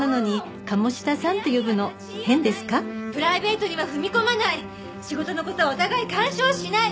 「プライベートには踏み込まない」「仕事の事はお互い干渉しない」！